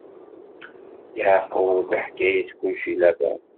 Yeɛqub iḥka-yas kullec i Laban.